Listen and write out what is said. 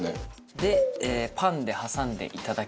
でパンで挟んでいただき。